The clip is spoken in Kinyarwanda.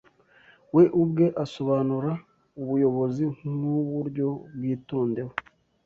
we ubwe asobanura ubuyobozi nk'uburyo bwitondewe